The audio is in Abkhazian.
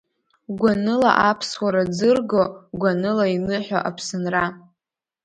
Гәаныла аԥсуара ӡырго, Гәаныла иныҳәо Аԥсынра…